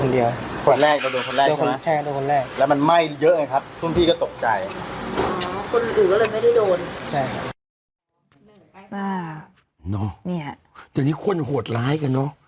เดี๋ยวนี้คนโหดร้ายกันเนอะ